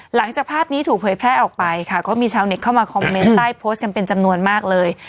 หลังจากภาพนี้ถูกเผยแพร่ออกไปค่ะก็มีชาวเน็ตเข้ามาคอมเมนต์ใต้โพสต์กันเป็นจำนวนมากเลย